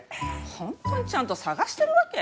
本当にちゃんと探してるわけ？